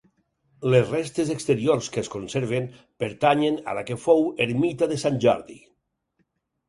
Les restes exteriors que es conserven pertanyen a la que fou ermita de Sant Jordi.